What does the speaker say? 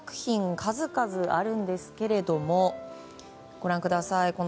数々あるんですがご覧ください。